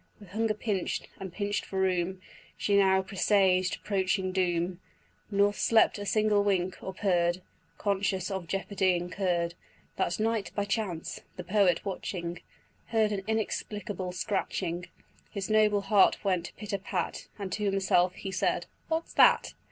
With hunger pinch'd, and pinch'd for room, She now presaged approaching doom, Nor slept a single wink, or purr'd, Conscious of jeopardy incurr'd. That night, by chance, the poet watching, Heard an inexplicable scratching; His noble heart went pit a pat, And to himself he said "What's that?"